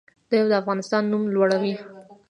دوی د افغانستان نوم لوړوي.